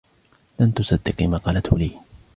لن تصدّقي ما قالته لي!